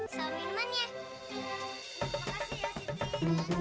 sama minuman ya